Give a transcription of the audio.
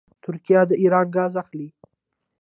ترکیه د ایران ګاز اخلي.